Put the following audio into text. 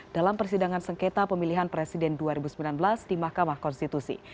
dalam persidangan sengketa pemilihan presiden dua ribu sembilan belas di mahkamah konstitusi